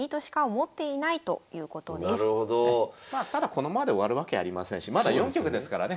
まあただこのままで終わるわけありませんしまだ４局ですからね。